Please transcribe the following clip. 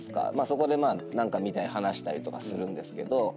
そこで何か見たり話したりとかするんですけど。